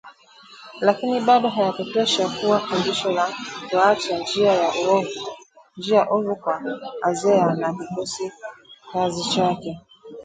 lakini bado hayakutosha kuwa fundisho la kuacha njia ovu kwa Azea na kikosi kazi chake